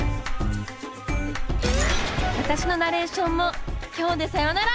私のナレーションも今日でさよなら！